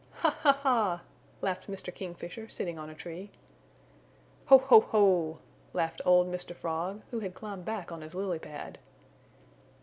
"Ha! Ha! Ha!" laughed Mr. Kingfisher, sitting on a tree. "Ho! Ho! Ho!" laughed old Mr. Frog, who had climbed back on his lily pad.